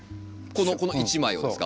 この１枚をですか？